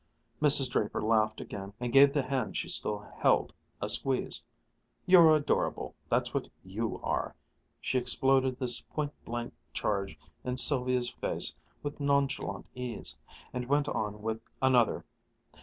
Mrs. Draper laughed again and gave the hand she still held a squeeze. "You're adorable, that's what you are!" She exploded this pointblank charge in Sylvia's face with nonchalant ease, and went on with another.